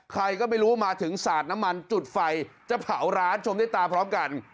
ใครก็ไม่รู้มาถึงสาดน้ำมันจุดไฟจะเผาร้านชมด้วยตาพร้อมกัน